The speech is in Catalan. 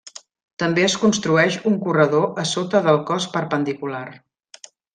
També es construeix un corredor a sota del cos perpendicular.